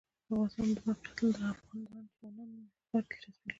د افغانستان د موقعیت د افغان ځوانانو لپاره دلچسپي لري.